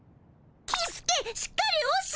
キスケしっかりおし！